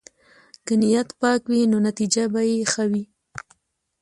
که نیت پاک وي، نو نتیجه به ښه وي.